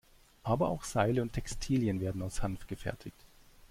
Aber auch Seile und Textilien werden aus Hanf gefertigt.